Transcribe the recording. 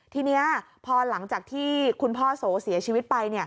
ทีนี้พอหลังจากที่คุณพ่อโสเสียชีวิตไป